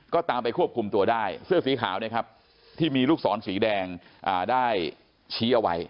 ก็ตามไปควบคุมตัวได้เสื้อสีขาวนะครับที่มีลูกศรสีแดงได้ชี้เอาไว้